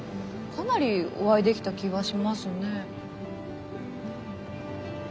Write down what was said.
かなりお会いできた気がしますね。